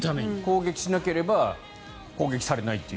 攻撃しなければ攻撃されないという。